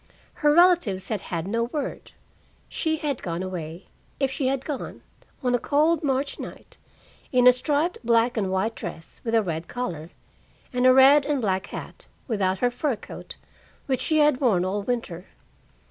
Her relatives had had no word. She had gone away, if she had gone, on a cold March night, in a striped black and white dress with a red collar, and a red and black hat, without her fur coat, which she had worn all winter.